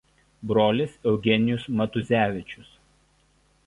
Brolis Eugenijus Matuzevičius.